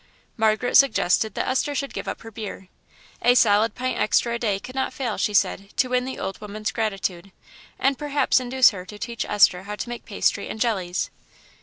Margaret suggested that Esther should give up her beer. A solid pint extra a day could not fail, she said, to win the old woman's gratitude, and perhaps induce her to teach Esther how to make pastry and jellies.